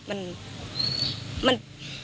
มันมัน